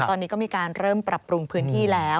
ตอนนี้ก็มีการเริ่มปรับปรุงพื้นที่แล้ว